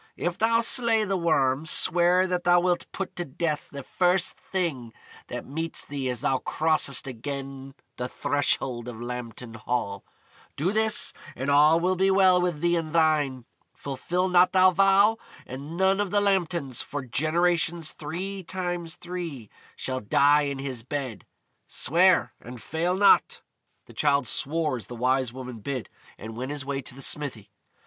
"If thou slay the Worm, swear that thou wilt put to death the first thing that meets thee as thou crossest again the threshold of Lambton Hall. Do this, and all will be well with thee and thine. Fulfil not thou vow, and none of the Lambtons, for generations three times three, shall die in his bed. Swear, and fail not." The Childe swore as the Wise Woman bid, and went his way to the smithy.